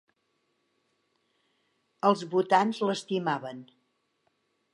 Els votants l'estimaven.